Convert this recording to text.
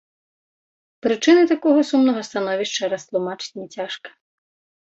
Прычыны такога сумнага становішча растлумачыць няцяжка.